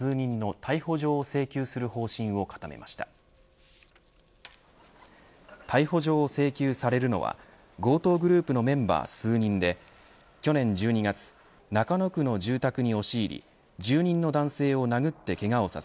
逮捕状を請求されるのは強盗グループのメンバー数人で去年１２月中野区の住宅に押し入り住人の男性を殴ってけがをさせ